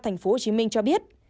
thành phố hồ chí minh cho biết